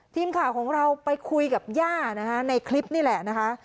ทีมข่าวของเราไปคุยกับย่านะคะในคลิปนี่แหละนะคะ